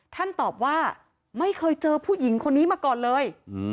ตอบว่าไม่เคยเจอผู้หญิงคนนี้มาก่อนเลย